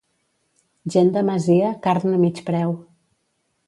Gent de masia, carn a mig preu.